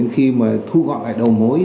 khi mà thu gọn lại đầu mối